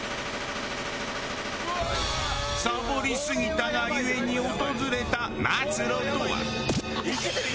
サボりすぎたがゆえに訪れた末路とは？